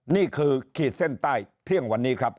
ขีดเส้นใต้เที่ยงวันนี้ครับ